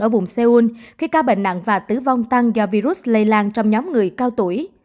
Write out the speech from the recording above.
ở vùng seoul khi ca bệnh nặng và tử vong tăng do virus lây lan trong nhóm người cao tuổi